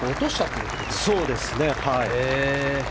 そうですね。